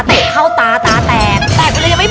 เตะไปเลยยังไม่พอ